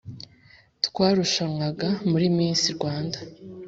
twarushanwaga muri miss rwanda.